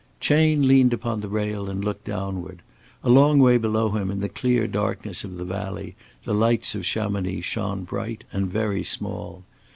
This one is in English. Chayne leaned upon the rail and looked downward. A long way below him, in the clear darkness of the valley the lights of Chamonix shone bright and very small.